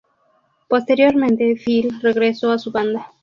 Posteriormente Phil regresó a su banda.